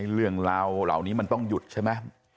เรื่องราวเหล่านี้มันต้องหยุดใช่ไหม